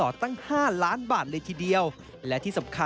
นานานานานานา